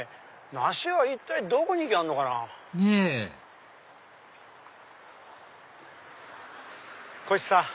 梨はどこに行きゃあんのかな？ねぇこひさん。